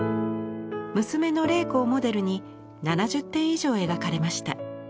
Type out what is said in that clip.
娘の麗子をモデルに７０点以上描かれました。